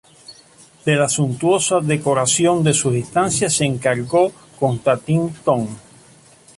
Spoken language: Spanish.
De la suntuosa decoración de sus estancias se encargó Konstantín Ton.